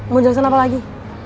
mau jelasin apa lagi